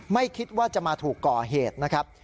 ไม่คิดว่าจะมาถูกก่อเหตุนะครับ